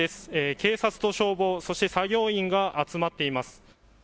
警察と消防、そして作業員が集まっています。